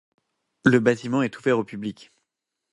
Le bâtiment est ouvert au public.